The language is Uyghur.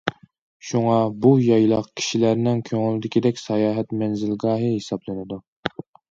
شۇڭا بۇ يايلاق كىشىلەرنىڭ كۆڭۈلدىكىدەك ساياھەت مەنزىلگاھى ھېسابلىنىدۇ.